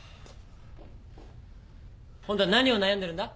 今度は何を悩んでるんだ？